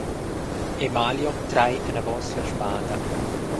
Emalio trai anavos la spada.